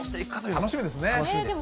楽しみですね。